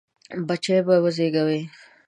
بچي به وزېږوي.